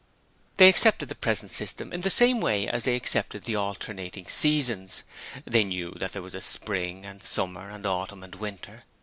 They accepted the present system in the same way as they accepted the alternating seasons. They knew that there was spring and summer and autumn and winter.